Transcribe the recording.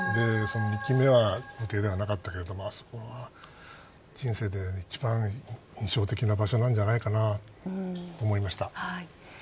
２期目は公邸ではなかったけどあそこは、人生で一番印象的な場所なんじゃないかと思いました。